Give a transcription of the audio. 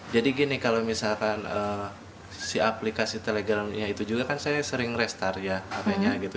jadi gini kalau misalkan si aplikasi telegramnya itu juga kan saya sering restart ya apanya gitu